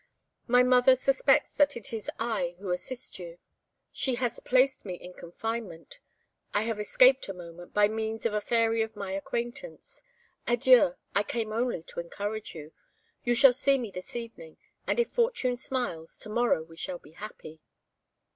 "My mother suspects that it is I who assist you: she has placed me in confinement. I have escaped a moment, by means of a fairy of my acquaintance. Adieu! I came only to encourage you. You shall see me this evening, and if fortune smiles, to morrow we shall be happy."